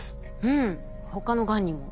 うん他のがんにも。